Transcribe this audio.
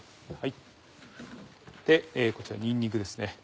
こちらにんにくですね。